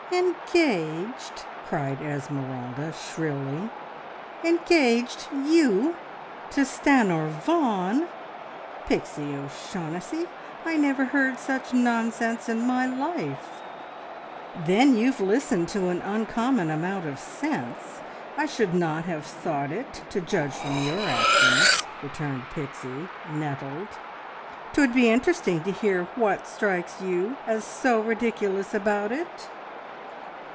"Engaged!" cried Esmeralda shrilly. "Engaged! You! To Stanor Vaughan? Pixie O'Shaughnessy, I never heard such nonsense in my life." "Then you've listened to an uncommon amount of sense. I should not have thought it, to judge from your actions," returned Pixie, nettled, "'Twould be interesting to hear what strikes you as so ridiculous about it!"